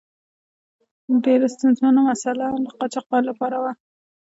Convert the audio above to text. ډیره ستونزمنه مساله هم د قاچاقبر له پاره وه.